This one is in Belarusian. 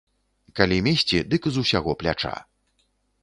Калі месці, дык з усяго пляча.